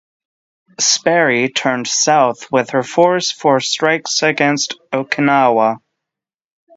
"Sperry" turned south with her force for strikes against Okinawa.